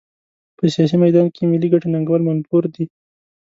په سیاسي میدان کې ملي ګټې ننګول منفور دي.